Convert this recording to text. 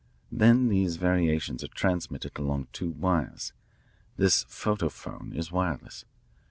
Then these variations are transmitted along two wires. This photophone is wireless.